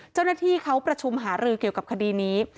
เจ้าหน้าที่เขาประชุมหารือเกี่ยวกับคดีนี้